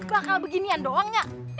bakal beginian doangnya